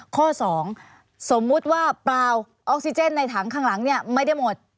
ข้อ๒สมมุติว่าเปล่าออกซิเจนในถังข้างหลังเนี่ยไม่ได้หมด